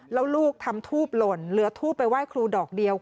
แล้วลูกทำทูบหล่นเหลือทูบไปไหว้ครูดอกเดียว